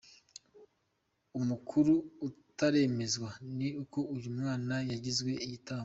Amakuru ataremezwa ni uko uyu mwana yagizwe igitambo.